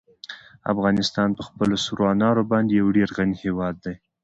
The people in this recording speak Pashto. افغانستان په خپلو سرو انارو باندې یو ډېر غني هېواد دی.